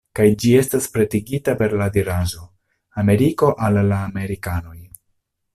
Kaj ĝi estas pretigita per la diraĵo: ""Ameriko al la amerikanoj""